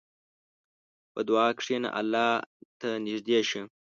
په دعا کښېنه، الله ته نږدې شه.